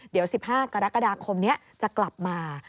เดี๋ยว๑๕กรกฎาคมนี้จะกลับมา